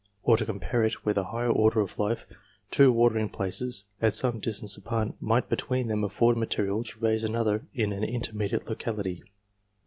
Or, to compare it with a higher order of life, two watering places at some distance apart might between them afford material to raise another in an intermediate locality.